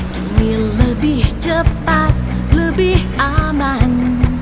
demi lebih cepat lebih aman